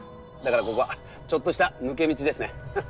だからここはちょっとした抜け道ですね。